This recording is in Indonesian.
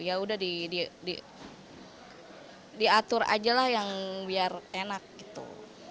ya udah diatur aja lah yang biar enak gitu